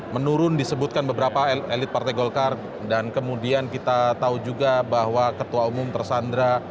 menurun disebutkan beberapa elit partai golkar dan kemudian kita tahu juga bahwa ketua umum tersandra